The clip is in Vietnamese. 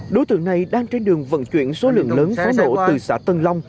đối tượng này đang trên đường vận chuyển số lượng lớn pháo nổ từ xã tân long